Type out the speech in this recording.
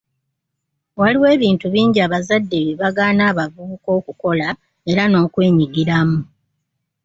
Waliwo ebintu bingi abazadde bye bagaana abavubuka okukola era n'okwenyigiramu